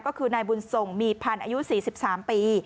ก็คือนายบุญส่งมีพันธ์อายุ๔๓ปี